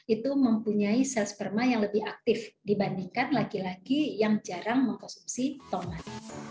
itu mempunyai sel sperma yang lebih aktif dibandingkan laki laki yang jarang mengkonsumsi tomat